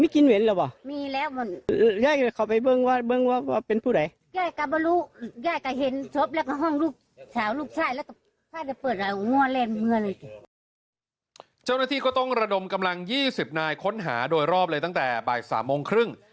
เจ้าหน้าที่ก็ต้องระดมกำลัง๒๐นายค้นหาโดยรอบเลยตั้งแต่บ่าย๓โมงครึ่ง